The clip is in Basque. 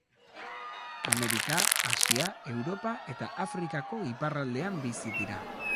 Amerika, Asia, Europa eta Afrikako iparraldean bizi dira.